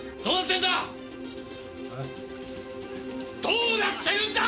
どうなってるんだ！？